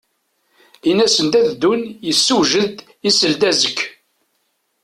Ini-yas ad d-un-yessujed i seldazekk.